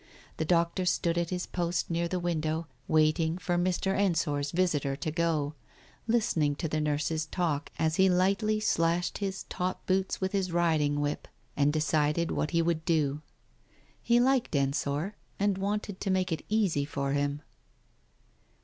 The doctor stood at his post near the window, waiting for Mr. Ensor's visitor to go, listening to the nurse's talk as he lightly slashed his top boots with his riding whip, and decided what he would do. He liked Ensor, and wanted to make it easy for him.